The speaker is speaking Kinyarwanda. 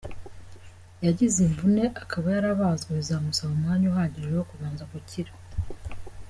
yagize imvune akaba yarabazwe bizamusaba umwanya uhagije wo kubanza gukira.